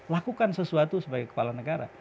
lakukan sesuatu sebagai kepala negara